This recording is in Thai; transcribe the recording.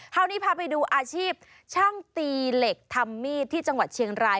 คราวนี้พาไปดูอาชีพช่างตีเหล็กทำมีดที่จังหวัดเชียงราย